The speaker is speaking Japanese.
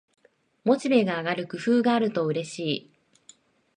モチベが上がる工夫があるとうれしい